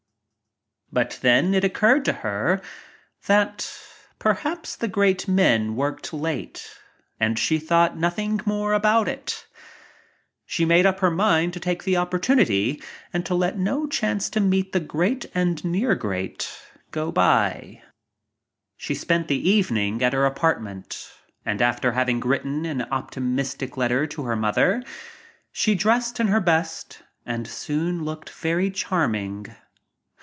But then it occurred to her that perhaps the great men worked late and she thought nothing more it. She made up her mind to take the oppor tunity and to let no chance to meet the great near great go by. PARTIES 27 L ~ She spent the evening at her apartment and, after having written an optimistic letter to her mother, she dressed in her best and soon looked very charming.